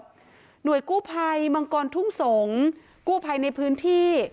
หน่วยกู้ภัยมังกรทุ่งสงศ์กู้ภัยในพื้นที่